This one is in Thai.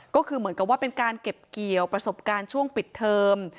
ก็คือเหมือนกับว่าเป็นการเก็บเกี่ยวประสบการณ์ช่วงปิดเทอม